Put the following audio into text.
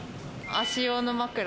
足用の枕。